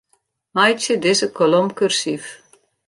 Meitsje dizze kolom kursyf.